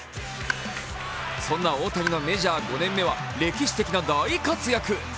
そんな大谷のメジャー５年目は歴史的な大活躍。